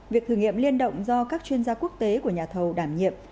việc thử nghiệm liên động do các chuyên gia quốc tế của nhà thầu đảm nhiệm